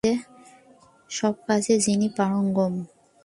সব কাজে যিনি পারঙ্গম।